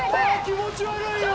気持ち悪いよ。